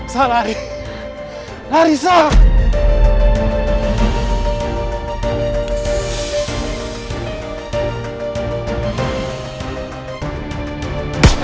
sah lari lari sah